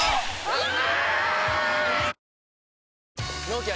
うわ！